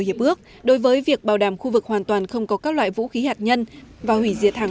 hiệp ước đối với việc bảo đảm khu vực hoàn toàn không có các loại vũ khí hạt nhân và hủy diệt hàng